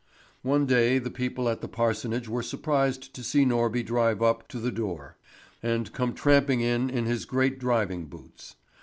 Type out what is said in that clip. One day the people at the parsonage were surprised to see Norby drive up to the door, and come tramping in in his great driving boots.